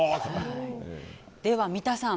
では三田さん